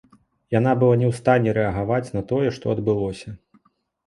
Яна была не ў стане рэагаваць на тое, што адбылося.